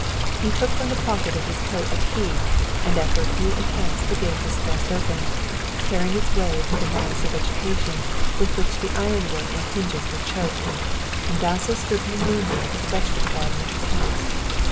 He took from the pocket of his coat a key, and after a few attempts the gate was thrust open, tearing its way through the mass of vegetation with which the iron work and hinges were choked, and Dasso stood in the moonlight of the vegetable garden of his house.